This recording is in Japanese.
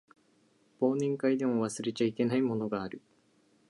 忘年会でも忘れちゃいけないものがある